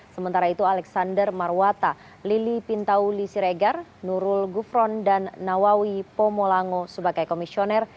sementara itu alexander marwata lili pintauli siregar nurul gufron dan nawawi pomolango sebagai komisioner